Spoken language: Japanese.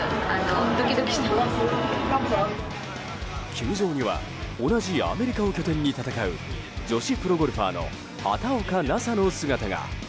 球場には同じアメリカを拠点に戦う女子プロゴルファーの畑岡奈紗の姿が。